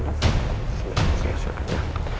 semua sudah disiapkan